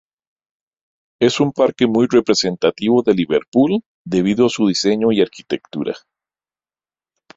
Es un parque muy representativo de Liverpool, debido a su diseño y arquitectura.